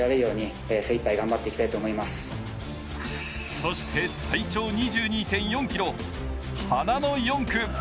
そして最長２２．４ｋｍ、花の４区。